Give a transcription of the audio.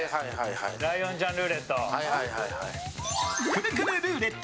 ライオンちゃんルーレット！